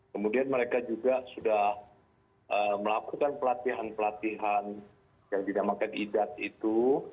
kemudian mereka juga sudah melakukan pelatihan pelatihan yang dinamakan idat itu